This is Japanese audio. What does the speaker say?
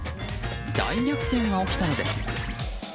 大逆転が起きたのです。